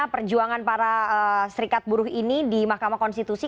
perjuangan para serikat buruh ini di mahkamah konstitusi